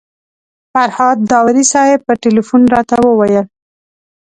فرهاد داوري صاحب په تیلفون راته وویل.